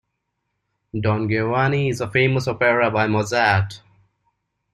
Don Giovanni is a famous opera by Mozart